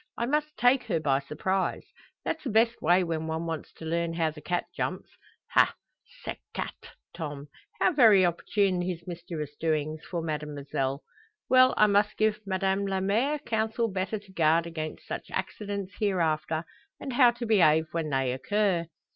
I must take her by surprise. That's the best way when one wants to learn how the cat jumps. Ha! cette chat Tom; how very opportune his mischievous doings for Mademoiselle! Well, I must give Madame la mere counsel better to guard against such accidents hereafter; and how to behave when they occur."